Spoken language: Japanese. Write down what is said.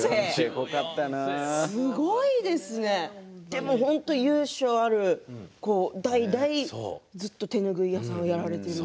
でも由緒ある大体ずっと手拭い屋さんをやられている。